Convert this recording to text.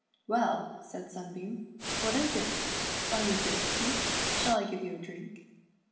"Well," said Sunbeam, "what is it? Are you thirsty. * Shall I give you a drink.